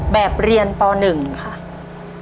แบบเรียนป๑ค่ะ